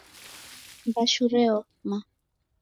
Mbashu raoma